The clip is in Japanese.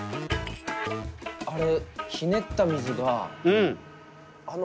あれ。